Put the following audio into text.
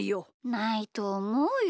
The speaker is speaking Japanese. ないとおもうよ。